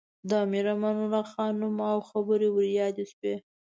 د امیر امان الله خان نوم او خبرې ور یادې شوې.